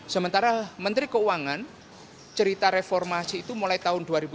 sementara menteri keuangan cerita reformasi itu mulai tahun dua ribu tujuh belas